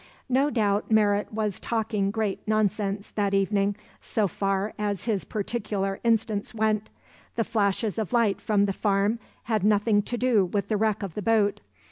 No doubt Merritt was talking great nonsense that evening so far as his particular instance went; the flashes of light from the farm had nothing to do with the wreck of the boat.